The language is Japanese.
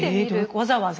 わざわざ？